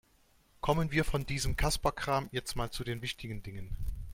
Kommen wir von diesem Kasperkram jetzt mal zu den wichtigen Dingen.